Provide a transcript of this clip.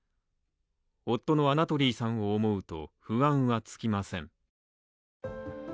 夫のアナトリーさんを思うと不安は尽きません。